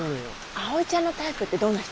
あおいちゃんのタイプってどんな人？